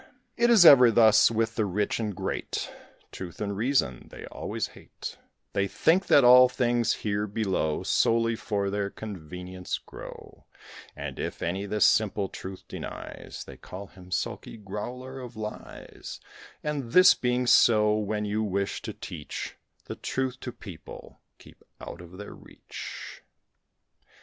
It is ever thus with the rich and great, Truth and reason they always hate; They think that all things here below Solely for their convenience grow; And if any this simple truth denies, They call him a sulky growler of lies; And this being so, when you wish to teach The truth to such people, keep out of their reach.